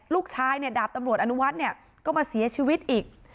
ลูกชายดาบตำรวจอนุวัฒน์ก็มาเสียชีวิตอีก